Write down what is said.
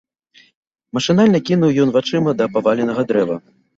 Машынальна кінуў ён вачыма да паваленага дрэва.